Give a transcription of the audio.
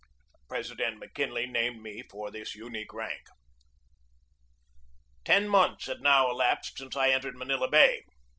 President McKinley named me for this unique rank. Ten months had now elapsed since I entered Manila Bay.